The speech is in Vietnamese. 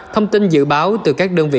thông tin dự báo từ các đơn vị